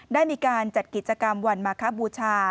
ได้มีการจัดกิจกรรมวันมาคบูชา